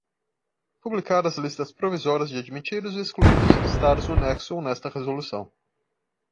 Publicar as listas provisórias de admitidos e excluídos listados no anexo ou nesta resolução.